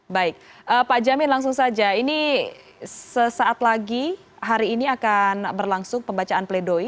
baik pak jamin langsung saja ini sesaat lagi hari ini akan berlangsung pembacaan pledoi